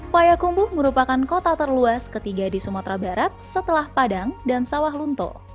payakumbuh merupakan kota terluas ketiga di sumatera barat setelah padang dan sawah lunto